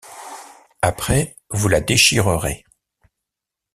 Après, vous la déchirerez.